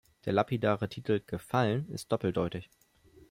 Der lapidare Titel "Gefallen" ist doppeldeutig.